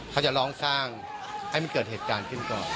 เขาจะลองสร้างให้มันเกิดเหตุการณ์ขึ้นก่อน